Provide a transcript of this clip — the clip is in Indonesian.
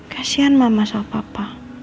kasian mama sama papa